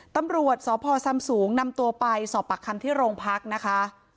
ตำรวจสพซำสูงนำตัวไปสอบปากคำที่โรงพักนะคะ